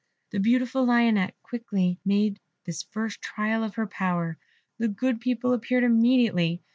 The beautiful Lionette quickly made this first trial of her power; the good people appeared immediately.